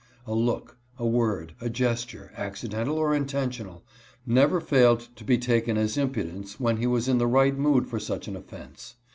A look, a word, a ges ture, accidental or intentional, never failed to be taken as impudence when he was in the right mood for such an offense.